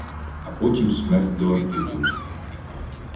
А потім Смерть до артикулу